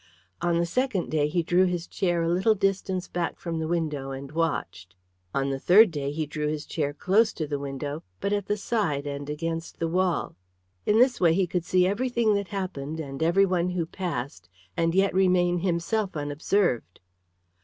On the second day he drew his chair a little distance back from the window and watched. On the third day he drew his chair close to the window, but at the side and against the wall. In this way he could see everything that happened and everyone who passed, and yet remain himself unobserved.